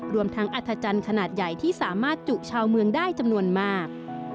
รวมทั้งอัธจันทร์ขนาดใหญ่ที่สามารถจุชาวเมืองได้จำนวนมาก